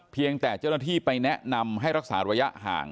แต่เจ้าหน้าที่ไปแนะนำให้รักษาระยะห่าง